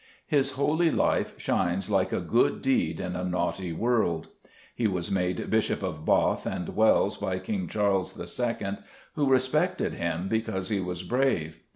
His holy life shines like "a good deed in a naughty world." He was made Bishop of Bath and Wells by King Charles II, who respected him because he was brave.